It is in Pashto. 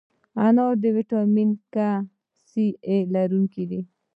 انار د ویټامین A، C، K لرونکی دی.